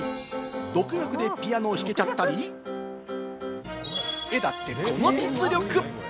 独学でピアノを弾けちゃったり、絵だってこの実力。